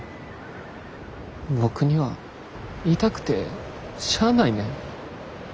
僕には痛くてしゃあないねん。